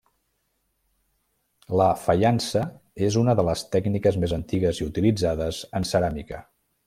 La faiança és una de les tècniques més antigues i utilitzades en ceràmica.